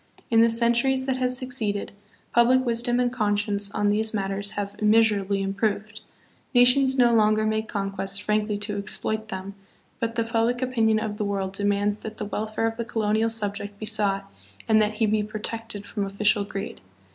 In the centuries that have succeeded, public wisdom and conscience on these matters have immeasurably improved. Nations no longer make conquests frankly to exploit them, but the public opinion of the world demands that the welfare of the co lonial subject be sought and that he be protected from official greed.